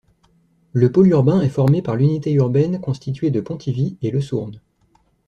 Le pôle urbain est formé par l'unité urbaine constituée de Pontivy et Le Sourn.